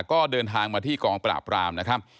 ก็เดินทางมาที่กองปราบรามนะครับ